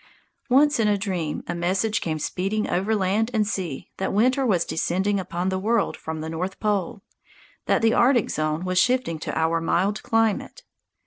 Once in a dream a message came speeding over land and sea that winter was descending upon the world from the North Pole, that the Arctic zone was shifting to our mild climate.